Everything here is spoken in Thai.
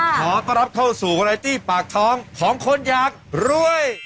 ขอต้อนรับเข้าสู่วารายตี้ปากท้องของคนอยากรวย